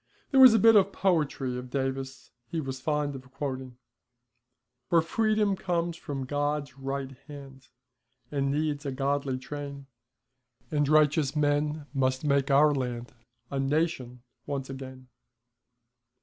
There was a bit of poetry of Davis he was fond of quoting: For Freedom comes from God's right hand, And needs a godly train, And righteous men must make our land A Nation once again.